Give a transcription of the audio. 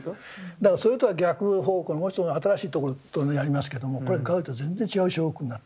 だからそれとは逆方向のもう一つの新しいところやりますけどもこれガウディと全然違う彫刻になってます。